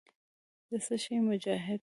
د څه شي مجاهد.